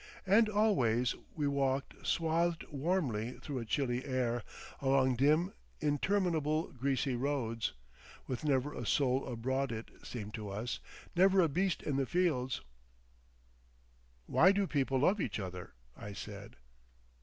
And always we walked swathed warmly through a chilly air, along dim, interminable greasy roads—with never a soul abroad it seemed to us, never a beast in the fields. "Why do people love each other?" I said.